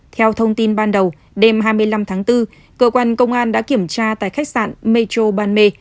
theo thông tin ban đầu đêm hai mươi năm tháng bốn cơ quan công an đã kiểm tra tại khách sạn metro ban mê